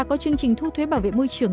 có chương trình thu thuế bảo vệ môi trường